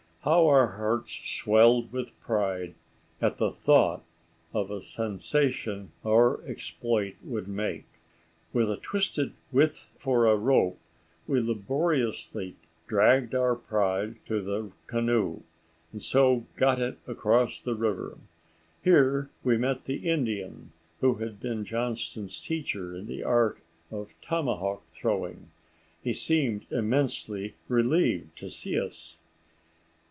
How our hearts swelled with pride at the thought of the sensation our exploit would make! With a twisted withe for a rope we laboriously dragged our prize to the canoe, and so got it across the river. Here we met the Indian who had been Johnston's teacher in the art of tomahawk throwing. He seemed immensely relieved at seeing us.